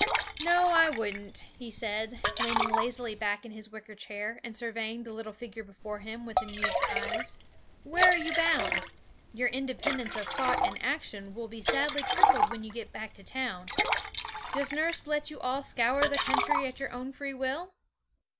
'No, I wouldn't,' he said, leaning lazily back in his wicker chair and surveying the little figure before him with amused eyes. 'Where are you bound? Your independence of thought and action will be sadly crippled when you get back to town. Does nurse let you all scour the country at your own free will?'